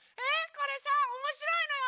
これさおもしろいのよ！